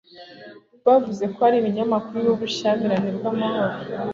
bavuze ko hariho ibinyamakuru bibiba ubushyamirane bw'amoko